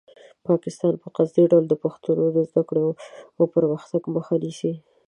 پاکستان په قصدي ډول د پښتنو د زده کړو او پرمختګ مخه نیسي.